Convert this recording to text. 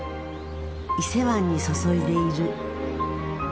伊勢湾に注いでいる。